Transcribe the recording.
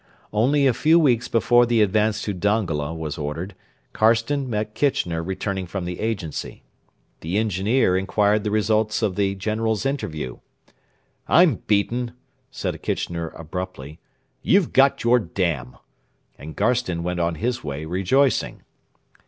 Only a few weeks before the advance to Dongola was ordered Garstin met Kitchener returning from the Agency. The engineer inquired the result of the General's interview. 'I'm beaten,' said Kitchener abruptly; 'you've got your dam' and Garstin went on his way rejoicing.